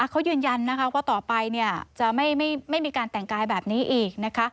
เขายืนยันนะคะว่าต่อไปจะไม่มีการแต่งกายแบบนี้อีกนะคะ